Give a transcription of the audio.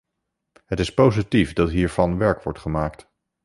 Het is positief dat hiervan werk wordt gemaakt.